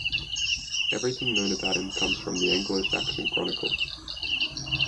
Everything known about him comes from the "Anglo-Saxon Chronicle".